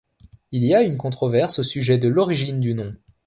Il y a une controverse au sujet de l'origine du nom.